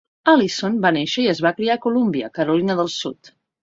Allison va néixer i es va criar a Columbia, Carolina del Sud.